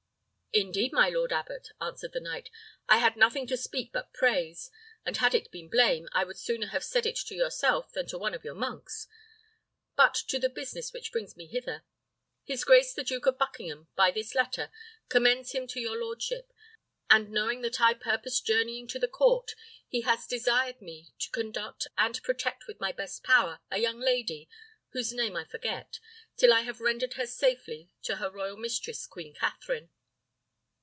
"Indeed, my lord abbot," answered the knight, "I had nothing to speak but praise; and had it been blame, I would sooner have said it to yourself than to one of your monks. But to the business which brings me hither. His grace the Duke of Buckingham, by this letter, commends him to your lordship; and knowing that I purpose journeying to the court, he has desired me to conduct, and protect with my best power, a young lady, whose name I forget, till I have rendered her safely to her royal mistress, Queen Katherine."